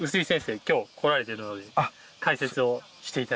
今日来られてるので解説をして頂きたいと思います。